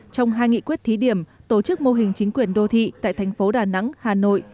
trong hai nghị quyết thí điểm tổ chức mô hình chính quyền đô thị tại thành phố đà nẵng hà nội